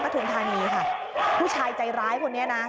ต้นกระทุนทานีค่ะผู้ชายใจร้ายคนนี้นะ